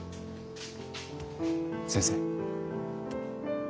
先生。